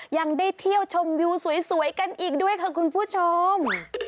ยังได้เที่ยวชมวิวสวยกันอีกด้วยค่ะคุณผู้ชม